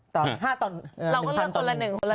๕ตอน๑๐๐๐ตอนหนึ่ง